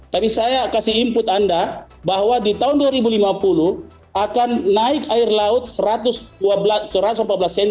tapi saya kasih input anda bahwa di tahun dua ribu lima puluh akan naik air laut satu ratus empat belas cm